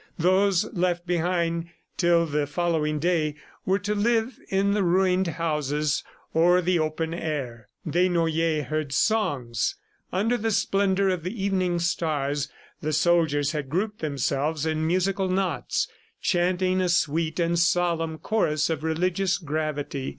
Those left behind till the following day were to live in the ruined houses or the open air. Desnoyers heard songs. Under the splendor of the evening stars, the soldiers had grouped themselves in musical knots, chanting a sweet and solemn chorus of religious gravity.